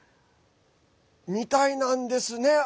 みたいなんですね。